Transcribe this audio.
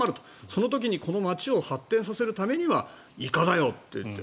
その時にこの町を発展させるためにはイカだよっていって。